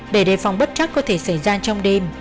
để đề phòng bất chắc có thể xảy ra trong đêm